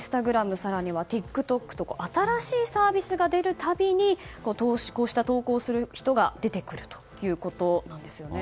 更にはＴｉｋＴｏｋとか新しいサービスが出るたびにこうした投稿をする人が出てくるということなんですよね。